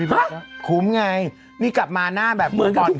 ฮะคุ้มไงนี่กลับมาหน้าแบบผูกกระเพาะขึ้นเยอะ